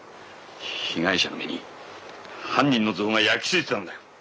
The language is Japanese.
被害者の目に犯人の像が焼き付いてたんだよ。